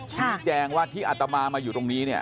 ชี้แจงว่าที่อัตมามาอยู่ตรงนี้เนี่ย